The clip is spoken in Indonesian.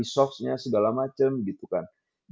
segala macam gitu kan